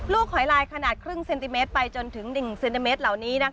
หอยลายขนาดครึ่งเซนติเมตรไปจนถึง๑เซนติเมตรเหล่านี้